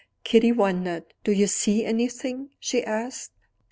Kitty wondered. "Do you see anything?" she asked.